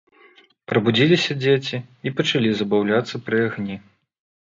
Прабудзіліся дзеці і пачалі забаўляцца пры агні.